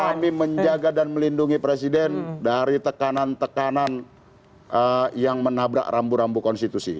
kami menjaga dan melindungi presiden dari tekanan tekanan yang menabrak rambu rambu konstitusi